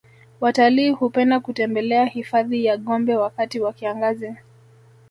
watalii hupenda kutembelea hifadhi ya gombe wakati wa kiangazi